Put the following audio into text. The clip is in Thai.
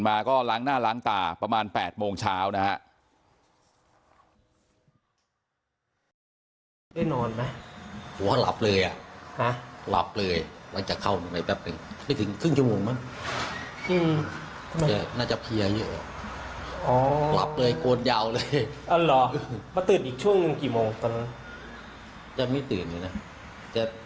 มาก็ล้างหน้าล้างตาประมาณ๘โมงเช้านะฮะ